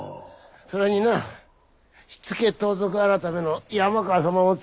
それにな火付盗賊改の山川様もついておる。